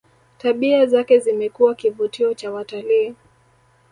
tabia zake zimekuwa kivutio kwa watalii